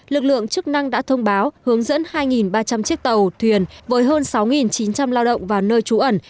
lực lượng chức năng đã thông báo hướng dẫn hai ba trăm linh chiếc tàu thuyền với hơn sáu chín trăm linh lao động vào nơi trú ẩn